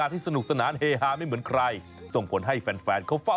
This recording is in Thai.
เออที่ฉันหมายถึงคนนี้แหละ